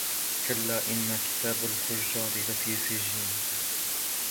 كَلَّا إِنَّ كِتَابَ الْفُجَّارِ لَفِي سِجِّينٍ